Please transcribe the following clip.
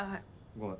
ごめん。